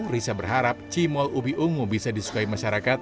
risa berharap cimol ubi ungu bisa disukai masyarakat